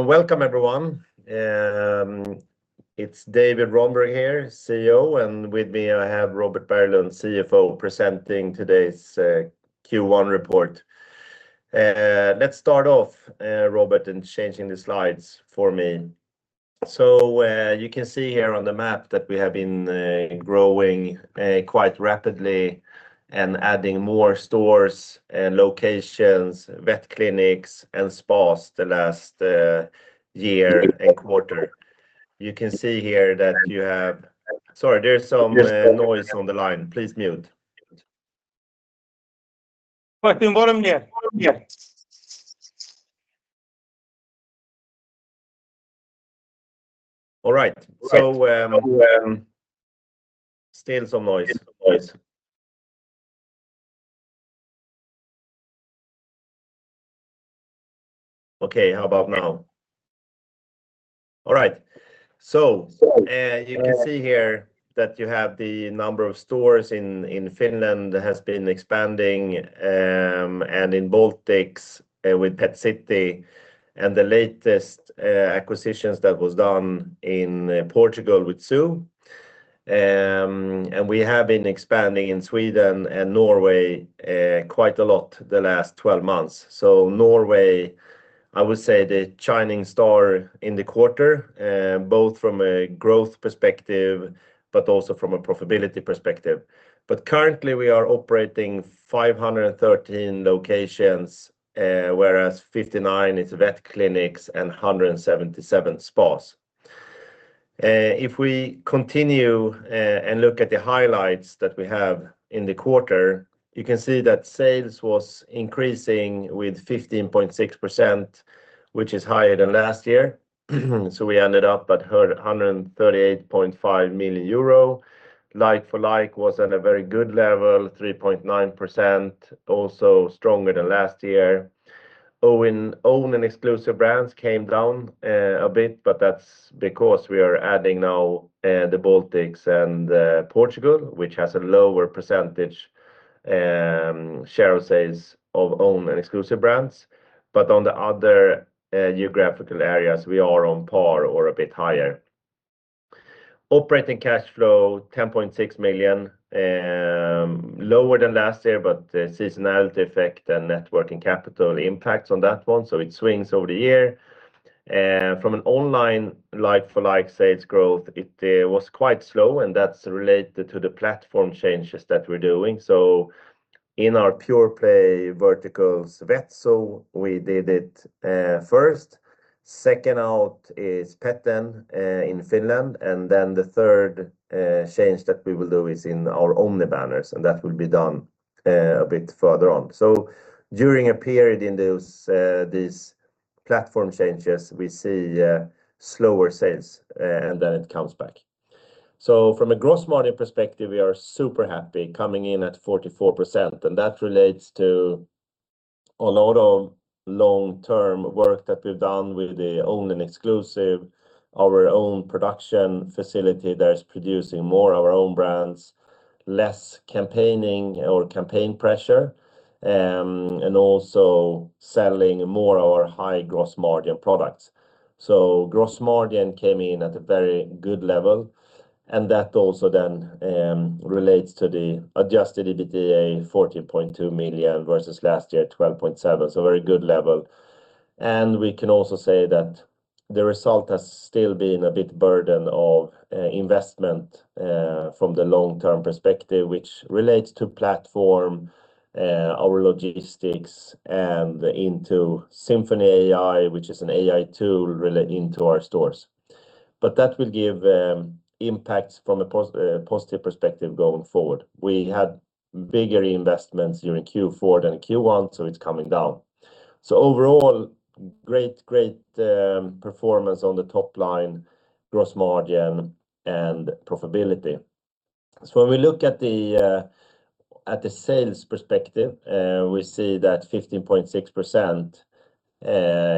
Welcome everyone. It's David Rönnberg here, CEO, and with me I have Robert Berglund, CFO, presenting today's Q1 report. Let's start off, Robert, in changing the slides for me. You can see here on the map that we have been growing quite rapidly and adding more stores, locations, vet clinics, and spas the last year and quarter. You can see here that you have the number of stores in Finland has been expanding and in Baltics with Pet City and the latest acquisitions that was done in Portugal with ZU. We have been expanding in Sweden and Norway, quite a lot the last 12 months. Norway, I would say the shining star in the quarter, both from a growth perspective, but also from a profitability perspective. Currently we are operating 513 locations, whereas 59 is vet clinics and 177 spas. If we continue, and look at the highlights that we have in the quarter, you can see that sales was increasing with 15.6%, which is higher than last year. We ended up at 138.5 million euro. Like-for-like was at a very good level, 3.9%, also stronger than last year. Own and exclusive brands came down a bit, but that's because we are adding now the Baltics and Portugal, which has a lower % share of sales of own and exclusive brands. On the other geographical areas, we are on par or a bit higher. Operating cash flow 10.6 million lower than last year, but the seasonality effect and net working capital impacts on that one, so it swings over the year. From an online like-for-like sales growth, it was quite slow, and that's related to the platform changes that we're doing. In our pure play verticals, VetZoo, we did it first. Second out is Peten in Finland. The third change that we will do is in our omni banners, and that will be done a bit further on. During a period in those, these platform changes, we see slower sales, and then it comes back. From a gross margin perspective, we are super happy coming in at 44%, and that relates to a lot of long-term work that we've done with the own and exclusive, our own production facility that is producing more our own brands, less campaigning or campaign pressure, and also selling more our high gross margin products. Gross margin came in at a very good level, and that also then relates to the adjusted EBITDA, 14.2 million versus last year, 12.7 million, a very good level. We can also say that the result has still been a bit burden of investment from the long-term perspective, which relates to platform, our logistics, and into SymphonyAI, which is an AI tool relating to our stores. That will give impacts from a positive perspective going forward. We had bigger investments during Q4 than Q1, so it's coming down. Overall, great performance on the top line, gross margin, and profitability. When we look at the at the sales perspective, we see that 15.6%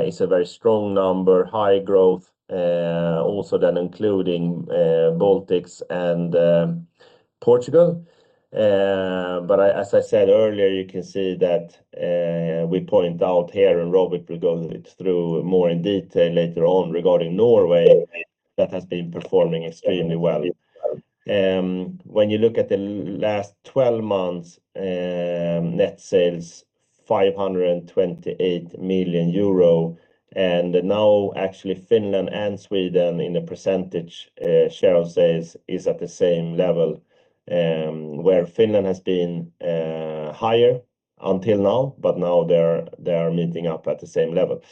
is a very strong number, high growth, also then including Baltics and Portugal. As I said earlier, you can see that we point out here, and Robert will go a bit through more in detail later on regarding Norway, that has been performing extremely well. When you look at the last twelve months, net sales 528 million euro, and now actually Finland and Sweden in a % share of sales is at the same level, where Finland has been higher until now, but now they are meeting up at the same level.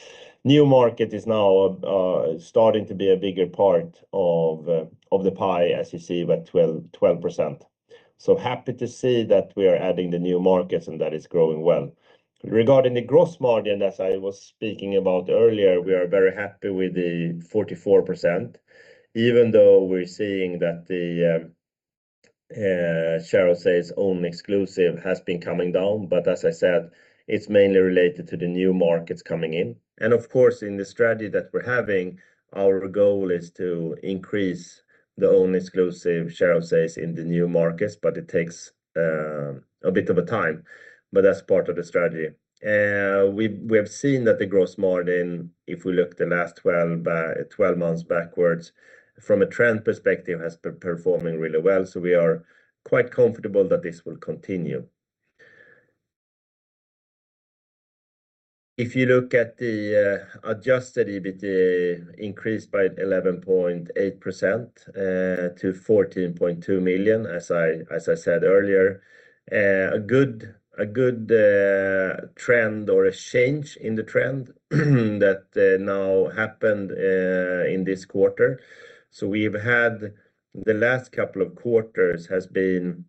New market is now starting to be a bigger part of the pie, as you see, about 12%. Happy to see that we are adding the new markets and that is growing well. Regarding the gross margin, as I was speaking about earlier, we are very happy with the 44%, even though we're seeing that the own and exclusive brands has been coming down. As I said, it's mainly related to the new markets coming in. Of course, in the strategy that we're having, our goal is to increase the own and exclusive brands shares in the new markets, but it takes a bit of a time, but that's part of the strategy. We have seen that the gross margin, if we look the last 12 months backwards from a trend perspective has been performing really well. We are quite comfortable that this will continue. If you look at the adjusted EBITDA increased by 11.8% to 14.2 million, as I said earlier. A good trend or a change in the trend that now happened in this quarter. We've had the last couple of quarters has been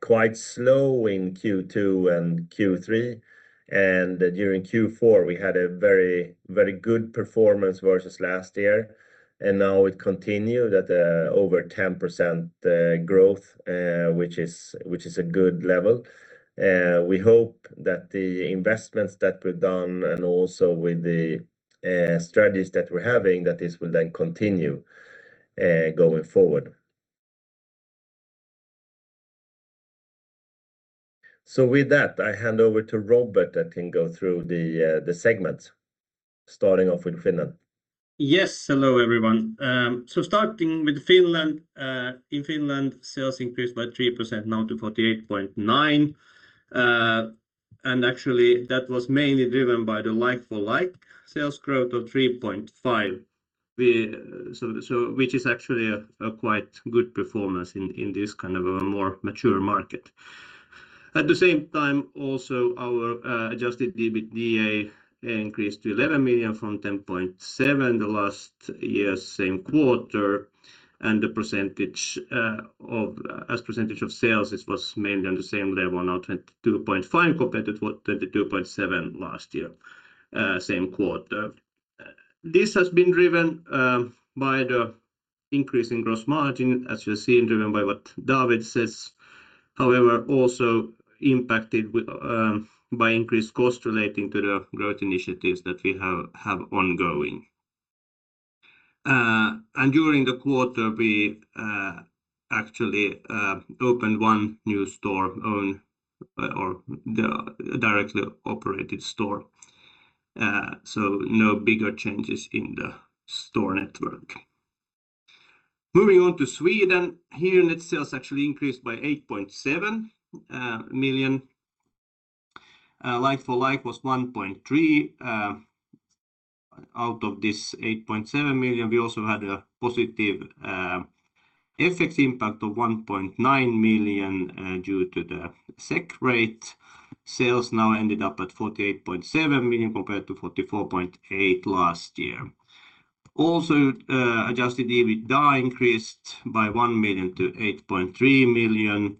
quite slow in Q2 and Q3, and during Q4, we had a very, very good performance versus last year. Now it continued at over 10% growth, which is a good level. We hope that the investments that we've done and also with the strategies that we're having, that this will then continue going forward. With that, I hand over to Robert that can go through the segments, starting off with Finland. Yes. Hello, everyone. Starting with Finland. In Finland, sales increased by 3% now to 48.9. That was mainly driven by the like-for-like sales growth of 3.5%. Which is actually a quite good performance in this kind of a more mature market. Our adjusted EBITDA increased to 11 million from 10.7 the last year's same quarter. The percentage as percentage of sales, it was mainly on the same level, now 22.5% compared to 22.7% last year, same quarter. This has been driven by the increasing gross margin, as you're seeing, driven by what David says. Impacted with by increased costs relating to the growth initiatives that we have ongoing. During the quarter, we actually opened one new store own or the directly operated store. No bigger changes in the store network. Moving on to Sweden. Here net sales actually increased by 8.7 million. Like-for-like was 1.3%. Out of this 8.7 million, we also had a positive FX impact of 1.9 million due to the SEK rate. Sales now ended up at 48.7 million compared to 44.8 million last year. Also adjusted EBITDA increased by 1 million to 8.3 million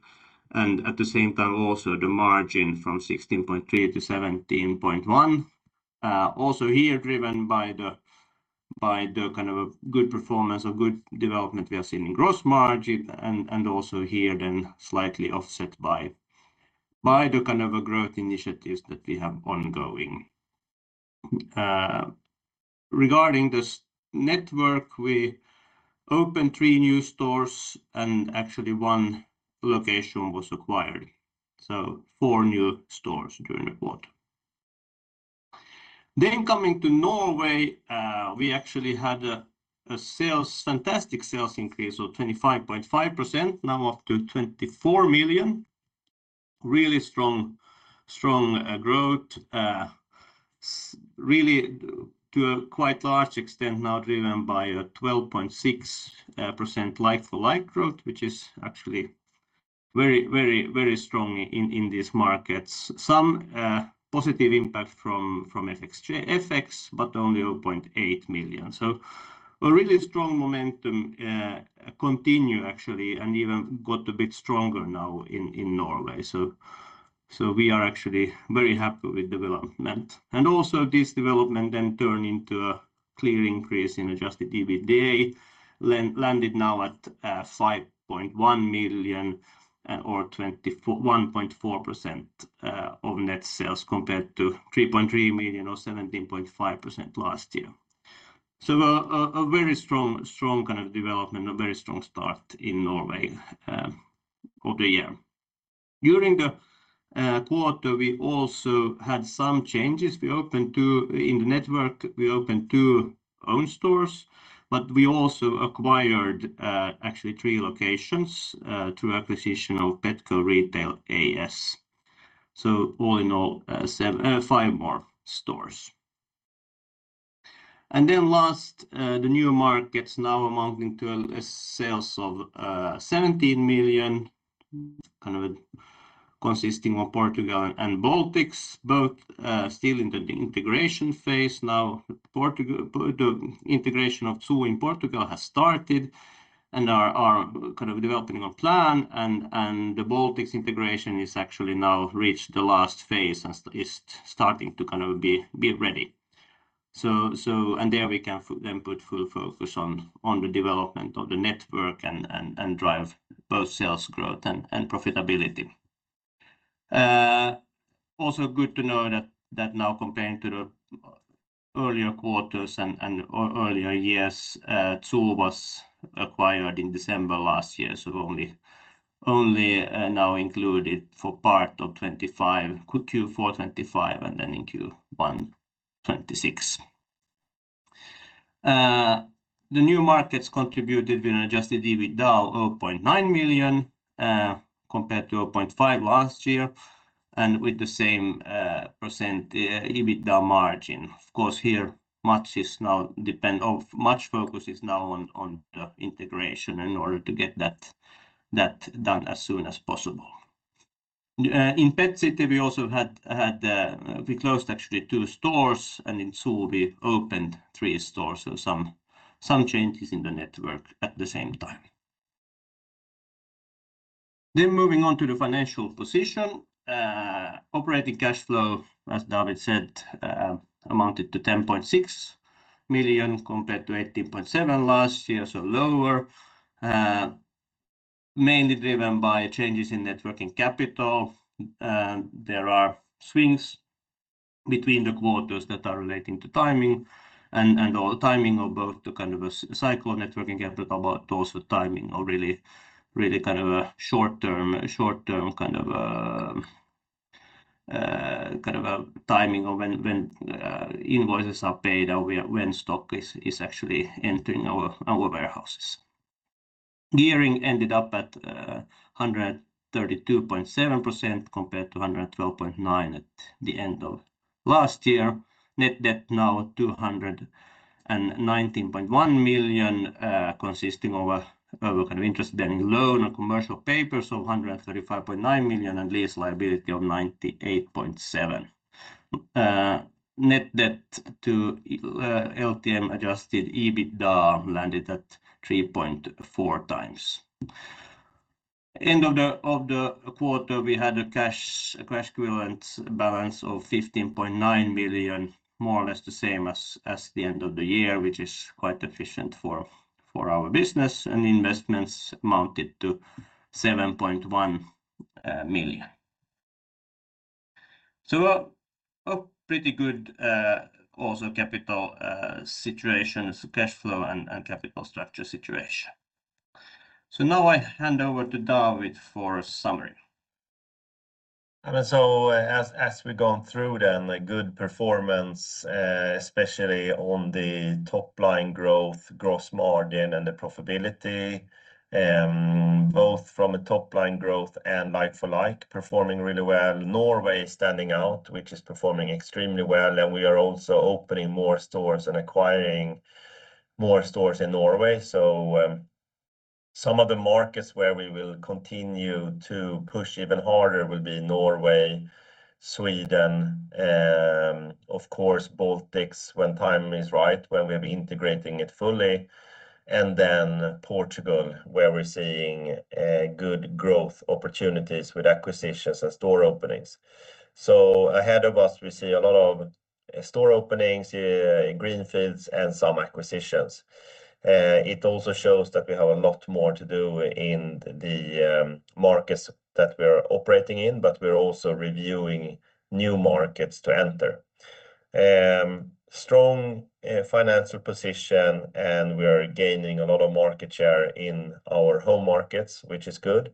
and at the same time also the margin from 16.3% to 17.1%. Also here driven by the, by the kind of a good performance or good development we are seeing in gross margin, and also here then slightly offset by the kind of a growth initiatives that we have ongoing. Regarding this network, we opened 3 new stores and actually one location was acquired, so four new stores during the quarter. Coming to Norway, we actually had a sales, fantastic sales increase of 25.5% now up to 24 million. Really strong growth. Really to a quite large extent now driven by a 12.6% like-for-like growth, which is actually very, very, very strong in these markets. Some positive impact from FX, but only 0.8 million. A really strong momentum continue actually and even got a bit stronger now in Norway. We are actually very happy with development. Also this development then turn into a clear increase in adjusted EBITDA, landed now at 5.1 million or 21.4% of net sales compared to 3.3 million or 17.5% last year. A very strong kind of development, a very strong start in Norway of the year. During the quarter, we also had some changes. In the network, we opened two own stores, but we also acquired actually three locations through acquisition of Petco Retail AS. All in all, seven, five more stores. Last, the new markets now amounting to a sales of 17 million, consisting of Portugal and Baltics, both still in the integration phase. The integration of ZU in Portugal has started and are developing a plan and the Baltics integration is now reached the last phase and is starting to be ready. There we can then put full focus on the development of the network and drive both sales growth and profitability. Also good to know that now comparing to the earlier quarters and earlier years, ZU was acquired in December last year, so only now included for part of 2025. Q4 2025 and then in Q1 2026. The new markets contributed with an Adjusted EBITDA of 0.9 million compared to 0.5 million last year and with the same percent EBITDA margin. Of course, here much focus is now on the integration in order to get that done as soon as possible. In Pet City, we also had, we closed actually two stores, and in ZU we opened three stores. Some changes in the network at the same time. Moving on to the financial position. Operating cash flow, as David said, amounted to 10.6 million compared to 18.7 last year, so lower. Mainly driven by changes in net working capital. There are swings between the quarters that are relating to timing and all timing of both the kind of cycle net working capital, but also timing or really short-term kind of a timing of when invoices are paid or when stock is actually entering our warehouses. Gearing ended up at 132.7% compared to 112.9% at the end of last year. Net debt now 219.1 million, consisting of a kind of interest-bearing loan and commercial paper, so 135.9 million and lease liability of 98.7. Net debt to LTM Adjusted EBITDA landed at 3.4 times. End of the quarter, we had a cash equivalent balance of 15.9 million, more or less the same as the end of the year, which is quite efficient for our business and investments amounted to 7.1 million. A pretty good also capital situation. Cash flow and capital structure situation. Now I hand over to David for summary. As we've gone through a good performance, especially on the top line growth, gross margin and the profitability, both from a top line growth and like-for-like performing really well. Norway standing out, which is performing extremely well, and we are also opening more stores and acquiring more stores in Norway. Some of the markets where we will continue to push even harder will be Norway, Sweden, of course Baltics when time is right, when we're integrating it fully and then Portugal where we're seeing good growth opportunities with acquisitions and store openings. Ahead of us we see a lot of store openings, greenfield and some acquisitions. It also shows that we have a lot more to do in the markets that we are operating in, but we are also reviewing new markets to enter. Strong financial position and we are gaining a lot of market share in our home markets, which is good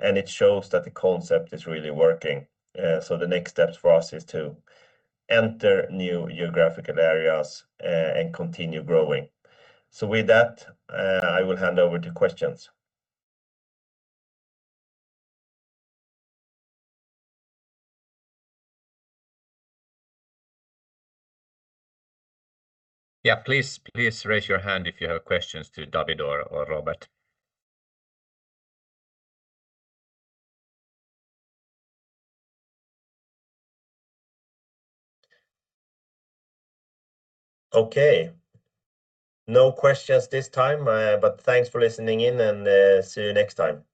and it shows that the concept is really working. The next steps for us is to enter new geographical areas and continue growing. With that, I will hand over to questions. Yeah, please raise your hand if you have questions to David or Robert. Okay. No questions this time, but thanks for listening in and see you next time. Bye